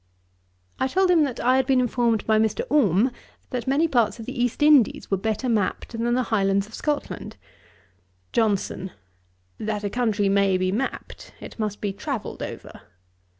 I told him that I had been informed by Mr. Orme, that many parts of the East Indies were better mapped than the Highlands of Scotland. JOHNSON. 'That a country may be mapped, it must be travelled over.'